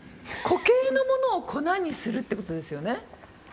固形のものを粉にするってことですよね？